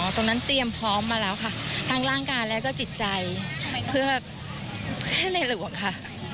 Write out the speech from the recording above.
เตรียมพร้อมมาแล้วค่ะทั้งร่างกายและก็จิตใจเพื่อในหลวงค่ะ